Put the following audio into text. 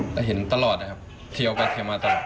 แต่เห็นตลอดนะครับเทียวไปเทียวมาตลอด